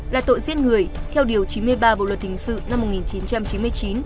là tội giết người theo điều chín mươi ba bộ luật hình sự năm một nghìn chín trăm chín mươi chín